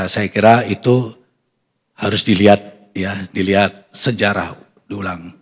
saya kira itu harus dilihat sejarah ulang